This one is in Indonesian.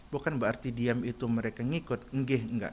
bukan berarti diam itu mereka ngikut enggak